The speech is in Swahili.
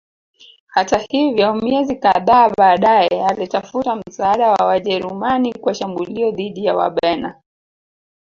Hata hivyo miezi kadhaa baadaye alitafuta msaada wa Wajerumani kwa shambulio dhidi ya Wabena